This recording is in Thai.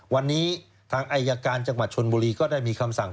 วันนี้ทางอายการจังหวัดชนบุรีก็ได้มีคำสั่ง